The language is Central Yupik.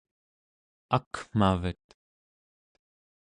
akmavet